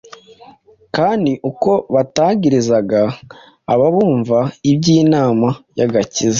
kandi uko batangarizaga ababumva iby’inama y’agakiza,